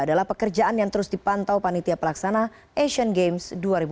adalah pekerjaan yang terus dipantau panitia pelaksana asian games dua ribu delapan belas